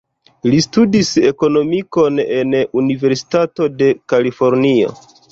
Li studis ekonomikon en Universitato de Kalifornio.